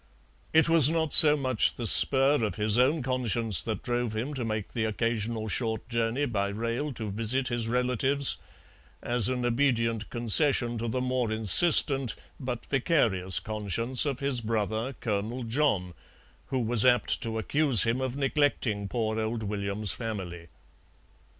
It was not so much the spur of his own conscience that drove him to make the occasional short journey by rail to visit his relatives, as an obedient concession to the more insistent but vicarious conscience of his brother, Colonel John, who was apt to accuse him of neglecting poor old William's family.